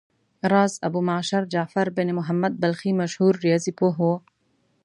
راز ابومعشر جعفر بن محمد بلخي مشهور ریاضي پوه و.